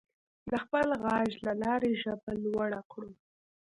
د خپل غږ له لارې ژبه لوړه کړو.